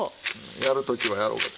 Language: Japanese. やる時はやろうかと。